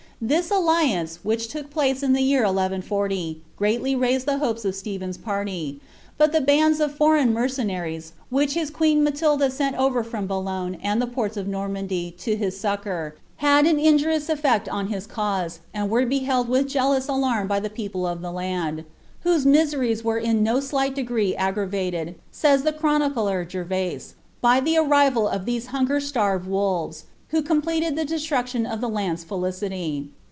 This alliance, which took place in the year 1140,' greatly raised the hopes of Stephen's party; but the bands of foreign mercenaries, which his queen Matilda sent over from Boulogne and the ports of Normandy to his succour, had an inju rious eflect on his cause, and were beheld with jealous alarm by the people of the land ;^ whose miseries were in no slight degree aggra vated,'' says the chronicler Gervase, ^ by the arrival of these hunger starred wolves, who completed the destruction of the land's felicity."